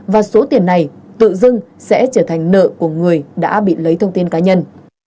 và số tiền này tự dưng sẽ trở thành nợ của người đã bị lấy thông tin cá nhân